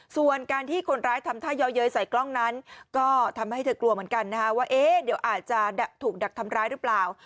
ส่วนการที่คนร้ายทำท่าเยอะเย้ยใส่กล้องนั้นก็ทำให้เธอกลัวเหมือนกันนะฮะว่าเดี๋ยวอาจจะถูกดักทำร้ายหรือเปล่า